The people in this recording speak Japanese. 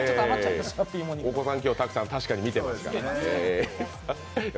お子さん、今日、たくさん確かに見てらっしゃいますからね。